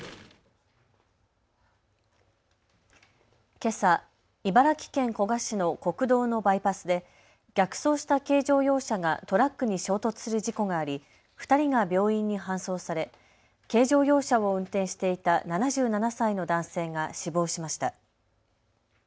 けさ、茨城県古河市の国道のバイパスで逆走した軽乗用車がトラックに衝突する事故があり２人が病院に搬送され軽乗用車を運転していた７７歳の男性が死亡しました。